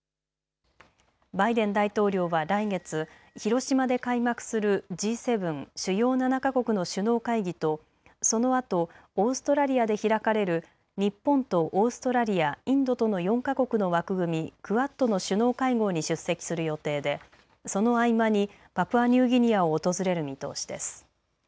バイデン大統領は来月、広島で開幕するＧ７・主要７か国の首脳会議とそのあとオーストラリアで開かれる日本とオーストラリア、インドとの４か国の枠組み、クアッドの首脳会合に出席する予定でその合間にパプアニューギニアを訪れる見通しです。